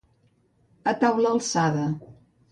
A taula alçada.